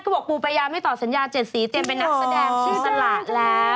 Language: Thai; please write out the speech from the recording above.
ก็บอกปูไปยาวไม่ต่อสัญญา๗สีเตรียมไปนับแสดงพี่สลาคแล้ว